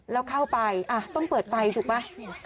เราเข้าไปอ่ะต้องเปิดไฟถูกป่ะ